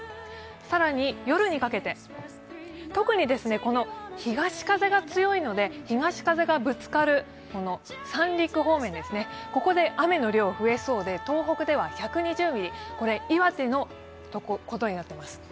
更に夜にかけて、特に東風が強いので、東風がぶつかる三陸方面、ここで雨の量が増えそうで東北では１２０ミリ、これは岩手のことになっています。